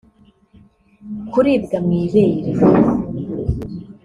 kuribwa mw’ibere